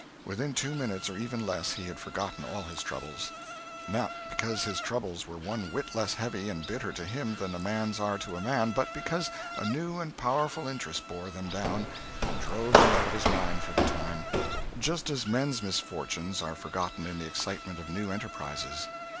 Within two minutes, or even less, he had forgotten all his troubles. Not because his troubles were one whit less heavy and bitter to him than a man's are to a man, but because a new and powerful interest bore them down and drove them out of his mind for the time—just as men's misfortunes are forgotten in the excitement of new enterprises.